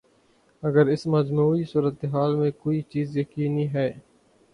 اگر اس مجموعی صورت حال میں کوئی چیز یقینی ہے۔